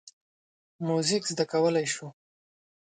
موزیک زده کولی شو.